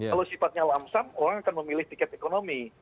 kalau sifatnya lamsam orang akan memilih tiket ekonomi